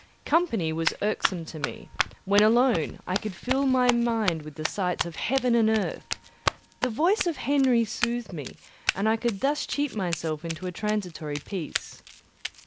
Company was irksome to me; when alone, I could fill my mind with the sights of heaven and earth; the voice of Henry soothed me, and I could thus cheat myself into a transitory peace.